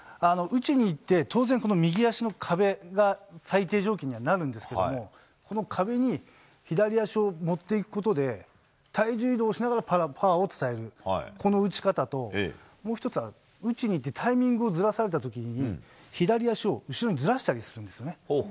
打ちにいって当然、右足の壁が最低条件にはなるんですけどもこの壁に左足を持っていくことで体重移動しながらパワーを伝えるこの打ち方ともう１つは、打ちにいってタイミングをずらされた時に左足を後ろにずらしたりするんですね。